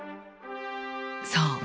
そう！